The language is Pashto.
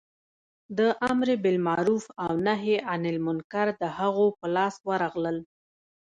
د امر بالمعروف او نهې عن المنکر د هغو په لاس ورغلل.